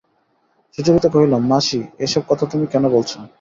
সুচরিতা কহিল, মাসি, এ-সব কথা তুমি কেন বলছ?